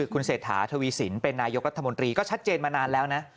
คุณเศรษฐาทวีสินเป็นนายกรัฐมนตรีก็ชัดเจนมานานแล้วนะ